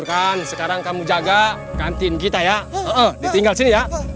kalian tunggu sini